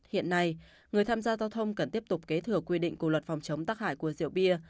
hiện nay người tham gia giao thông cần tiếp tục kế thừa quy định của luật phòng chống tắc hại của rượu bia